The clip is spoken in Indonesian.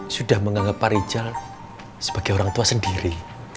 sudah menganggap pak rijal sebagai orang tua sendiri